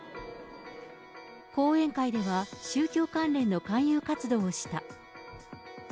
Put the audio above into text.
講演会では、宗教関連の勧誘活動をした。